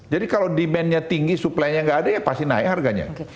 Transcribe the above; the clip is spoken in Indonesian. jadi kalau demandnya tinggi supplynya enggak ada ya pasti naik harganya